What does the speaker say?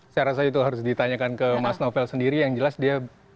saya rasa itu harus ditanyakan ke mas novel sendiri yang jelas dia